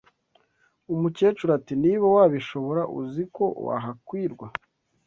Umukecuru ati Niba wabishobora, uzi ko wahakwirwa,